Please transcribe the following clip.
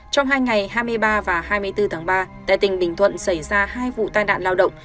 trong hai ngày hai mươi ba và hai mươi bốn tháng ba tại tỉnh bình thuận xảy ra hai vụ tai nạn lao động